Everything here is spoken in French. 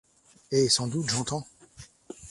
Hé, sans doute j’entends.